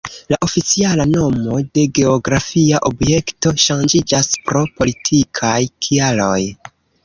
La oficiala nomo de geografia objekto ŝanĝiĝas pro politikaj kialoj.